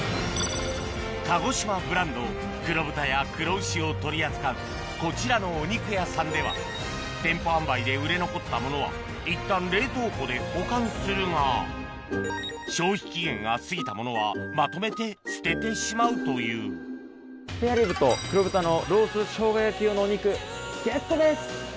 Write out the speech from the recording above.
鹿児島ブランド黒豚や黒牛を取り扱うこちらのお肉屋さんでは店舗販売で売れ残ったものはいったん冷凍庫で保管するがスペアリブと黒豚のロース生姜焼き用のお肉ゲットです。